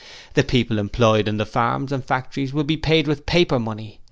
The people employed in the farms and factories will be paid with paper money...